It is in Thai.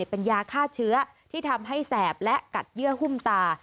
เป็นยาฆ่าเชื้อที่ทำให้แสบและกัดเยื่อหุ้มตา